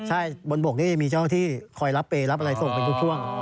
ใช่บนบกนี้จะมีเจ้าที่คอยรับเปยรับอะไรส่งเป็นทุกช่วง